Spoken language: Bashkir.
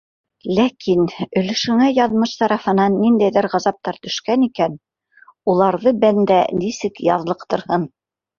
Ләкин, өлөшөңә яҙмыш тарафынан ниндәйҙер ғазаптар төшкән икән, уларҙы бәндә нисек яҙлыҡтырһын?!